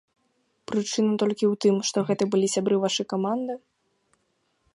Прычына толькі ў тым, што гэта былі сябры вашай каманды?